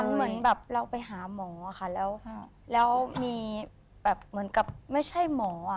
เหมือนแบบเราไปหาหมอค่ะแล้วมีแบบเหมือนกับไม่ใช่หมอ